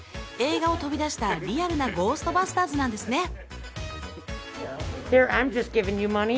映画を飛び出したリアルなゴーストバスターズなんですね